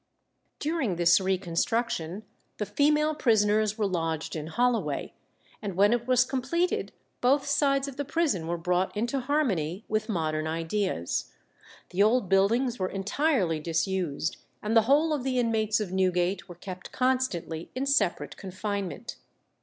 During this reconstruction the female prisoners were lodged in Holloway, and when it was completed, both sides of the prison were brought into harmony with modern ideas. The old buildings were entirely disused, and the whole of the inmates of Newgate were kept constantly in separate confinement.